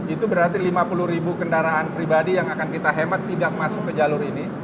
itu berarti lima puluh ribu kendaraan pribadi yang akan kita hemat tidak masuk ke jalur ini